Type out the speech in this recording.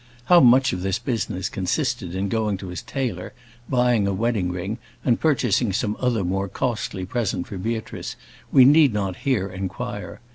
How much of this business consisted in going to his tailor, buying a wedding ring, and purchasing some other more costly present for Beatrice, we need not here inquire.